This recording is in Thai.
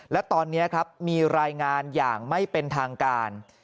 และตอนนี้ครับมีรายงานอย่างไม่เป็นทางการ